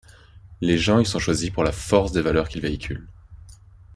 Les gens y sont choisis pour la force des valeurs qu’ils véhiculent.